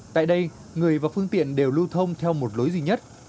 tại đây người và phương tiện đều lưu thông theo một lối duy nhất